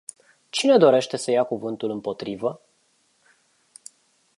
Cine dorește să ia cuvântul împotriva?